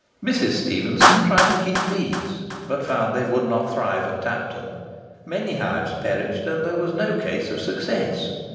Mrs. Stephenson tried to keep bees, but found they would not thrive at Tapton. Many hives perished, and there was no case of success.